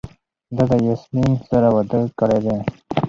ده د یاسمین سره واده کړی دی.